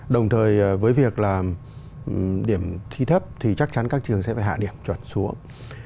đồng thời với việc là điểm thi thấp thì chắc chắn các trường sẽ phải hạ điểm chuẩn xuống